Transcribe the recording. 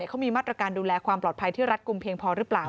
เขามีมาตรการดูแลความปลอดภัยที่รัฐกลุ่มเพียงพอหรือเปล่า